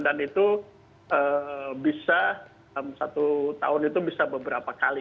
dan itu bisa satu tahun itu bisa beberapa kali